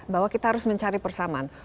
bahwa kita harus mencari persamaan